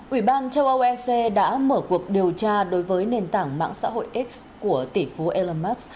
ủy ban châu âu ec đã mở cuộc điều tra đối với nền tảng mạng xã hội x của tỷ phú elon musk